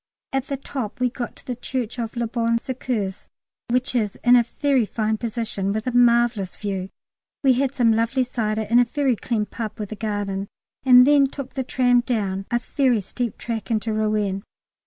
At the top we got to the Church of Le Bon Secours, which is in a very fine position with a marvellous view. We had some lovely cider in a very clean pub with a garden, and then took the tram down a very steep track into Rouen.